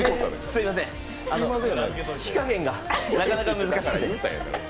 すいません、火加減がなかなか難しくて。